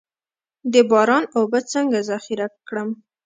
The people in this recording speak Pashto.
د باران اوبه څنګه ذخیره کړم؟